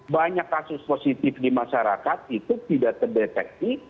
banyak kasus positif di masyarakat itu tidak terdeteksi